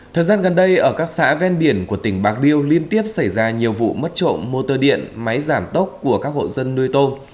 thời gian gần đây ở các xã ven biển của tỉnh bạc liêu liên tiếp xảy ra nhiều vụ mất trộm motor điện máy giảm tốc của các hộ dân nuôi tôm